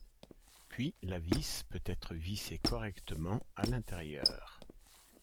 Puis, la vis peut être vissée correctement à l'intérieur.